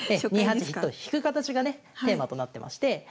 ２八飛と引く形がねテーマとなってまして。